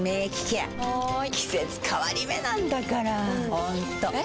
ホントえ？